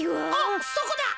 おっそこだ。